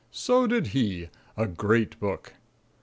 So did he. A great book.